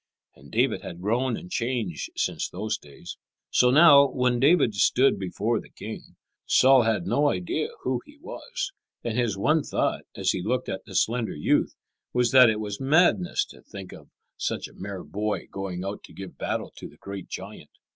And David had grown and changed since those days. So now, when David stood before the king, Saul had no idea who he was, and his one thought, as he looked at the slender youth, was that it was madness to think of such a mere boy going out to give battle to the great giant.